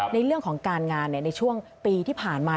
ในเรื่องของการงานในช่วงปีที่ผ่านมา